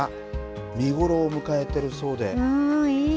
見頃を迎えているそうで。